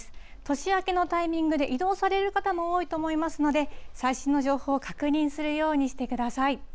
年明けのタイミングで移動される方も多いと思いますので、最新の情報を確認するようにしてください。